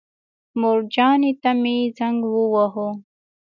مورجانې ته مې زنګ وواهه.